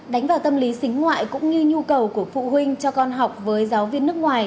đánh vào tâm lý xính ngoại cũng như nhu cầu của phụ huynh cho con học với giáo viên nước ngoài